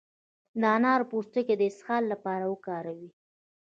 د انار پوستکی د اسهال لپاره وکاروئ